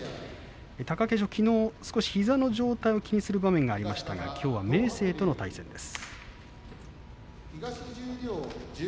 貴景勝、きのう少し膝の状態を気にする場面がありましたがきょうは明生との対戦です。